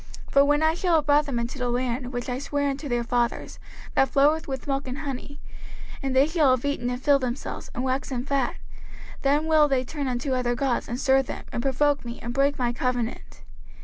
05:031:020 For when I shall have brought them into the land which I sware unto their fathers, that floweth with milk and honey; and they shall have eaten and filled themselves, and waxen fat; then will they turn unto other gods, and serve them, and provoke me, and break my covenant.